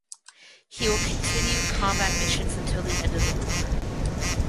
He will continue combat missions until the end of the war.